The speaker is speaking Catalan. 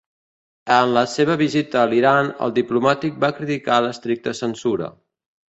En la seva visita a l'Iran, el diplomàtic va criticar l'estricta censura.